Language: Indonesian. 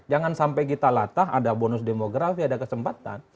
ada serbatas ada bonus demografi ada kesempatan